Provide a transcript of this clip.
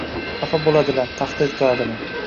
xafa bo‘ladilar, tahdid qiladilar